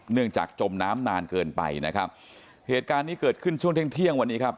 จากจมน้ำนานเกินไปนะครับเหตุการณ์นี้เกิดขึ้นช่วงเที่ยงเที่ยงวันนี้ครับ